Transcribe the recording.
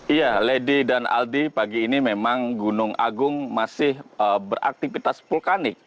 iya lady dan aldi pagi ini memang gunung agung masih beraktivitas vulkanik